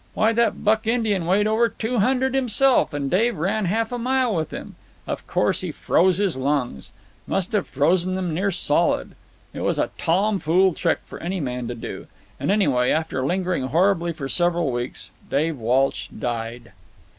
Why, that buck Indian weighed over two hundred himself, and Dave ran half a mile with him. Of course he froze his lungs. Must have frozen them near solid. It was a tomfool trick for any man to do. And anyway, after lingering horribly for several weeks, Dave Walsh died.